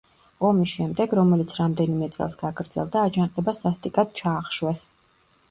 ომის შემდეგ, რომელიც რამდენიმე წელს გაგრძელდა, აჯანყება სასტიკად ჩაახშვეს.